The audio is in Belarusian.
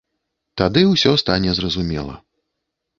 Тады ўсё стане зразумела.